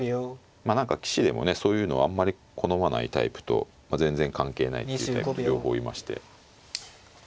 まあ何か棋士でもねそういうのあんまり好まないタイプと全然関係ないっていうタイプ両方いまして。